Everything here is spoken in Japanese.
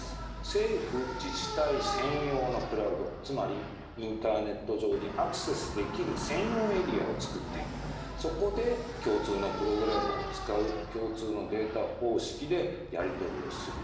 政府自治体専用のクラウド、つまり、インターネット上にアクセスできる専用エリアを作って、そこで共通のプログラムを使う、共通のデータ方式でやり取りをする。